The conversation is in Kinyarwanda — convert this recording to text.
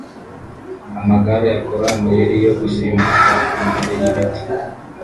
Amagare akora amayeri yo gusimbuka imbere yibiti